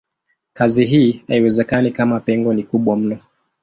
Kazi hii haiwezekani kama pengo ni kubwa mno.